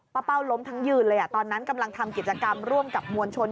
เป้าล้มทั้งยืนเลยตอนนั้นกำลังทำกิจกรรมร่วมกับมวลชน